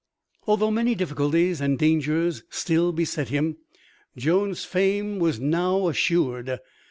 Although many difficulties and dangers still beset him, Jones' fame was now assured.